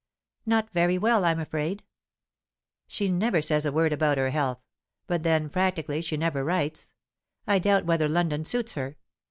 "Not very well, I'm afraid." "She never says a word about her health. But then, practically, she never writes. I doubt whether London suits her.